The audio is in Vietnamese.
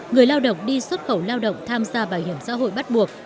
người lao động đi xuất khẩu lao động tham gia bảo hiểm xã hội bắt buộc